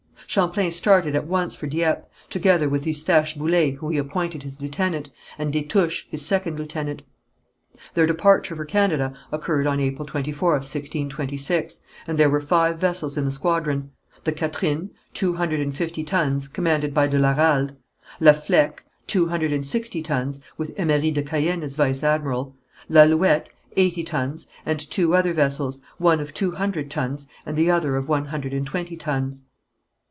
Champlain started at once for Dieppe, together with Eustache Boullé whom he appointed his lieutenant, and Destouches, his second lieutenant. Their departure for Canada occurred on April 24th, 1626, and there were five vessels in the squadron: the Catherine, two hundred and fifty tons, commanded by de la Ralde; La Flèque, two hundred and sixty tons, with Emery de Caën as vice admiral; L'Alouette, eighty tons, and two other vessels, one of two hundred tons, and the other of one hundred and twenty tons.